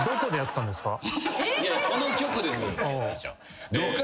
いやこの局ですよ。